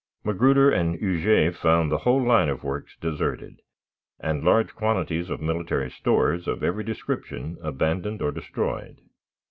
Magruder and Huger found the whole line of works deserted, and large quantities of military stores of every description abandoned or destroyed.